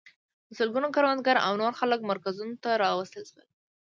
سلګونه کروندګر او نور خلک مرکزونو ته راوستل شول.